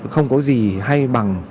không có gì hay bằng